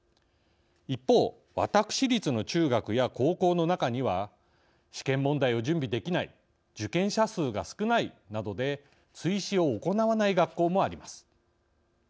一方私立の中学や高校の中には試験問題を準備できない受験者数が少ないなどで追試を行わない学校もあります。